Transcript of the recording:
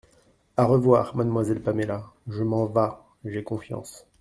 À revoir, mademoiselle Paméla ; je m’en vas… j’ai confiance.